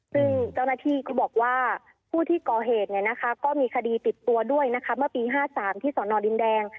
ซึ่งเจ้าหน้าที่ก็บอกว่าผู้ที่ก่อเหตุก็มีคดีติดตัวด้วยนะคะเมื่อปี๕๓ที่สอนอดินแดง